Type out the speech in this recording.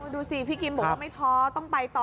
ดูสิพี่กิมบอกว่าไม่ท้อต้องไปต่อ